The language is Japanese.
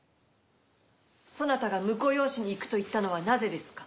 そなたが婿養子に行くと言ったのはなぜですか？